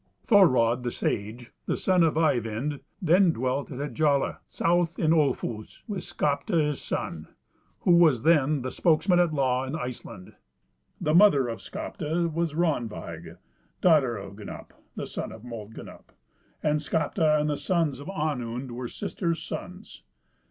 Thorod the Sage, the son of Eyvind, then dwelt at Hjalli, south in Olfus, with Skapti his son, who was then the spokesman at law in Iceland. The mother of Skapti was Ranveig, daughter of Gnup, the son of Mold Gnup; and Skapti and the sons of Onund were sisters' sons.